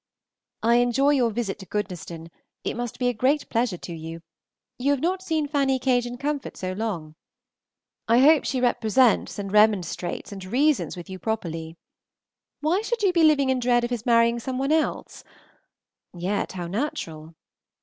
I enjoy your visit to Goodnestone, it must be a great pleasure to you; you have not seen Fanny Cage in comfort so long. I hope she represents and remonstrates and reasons with you properly. Why should you be living in dread of his marrying somebody else? (Yet how natural!)